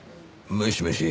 もしもし？